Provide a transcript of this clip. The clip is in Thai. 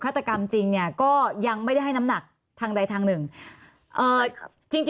ตกรรมจริงเนี่ยก็ยังไม่ได้ให้น้ำหนักทางใดทางหนึ่ง